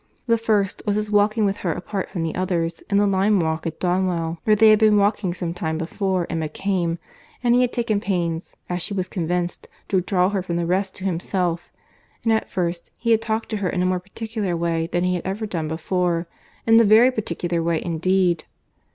—The first, was his walking with her apart from the others, in the lime walk at Donwell, where they had been walking some time before Emma came, and he had taken pains (as she was convinced) to draw her from the rest to himself—and at first, he had talked to her in a more particular way than he had ever done before, in a very particular way indeed!